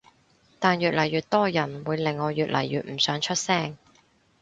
但越嚟越多人會令我越嚟越唔想出聲